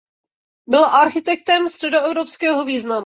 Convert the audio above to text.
Byl architektem středoevropského významu.